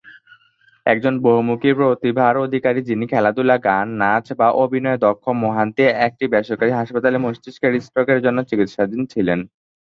একজন বহুমুখী প্রতিভার অধিকারী, যিনি খেলাধুলা, গান, নাচ এবং অভিনয়ে দক্ষ মোহান্তি একটি বেসরকারি হাসপাতালে মস্তিষ্কের স্ট্রোকের জন্য চিকিৎসাধীন ছিলেন।